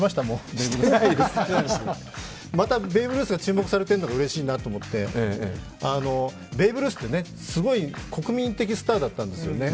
またベーブ・ルースが注目されてるのがうれしいなと思ってベーブ・ルースってすごい国民的スタ−だったんですよね。